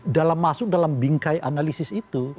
dalam masuk dalam bingkai analisis itu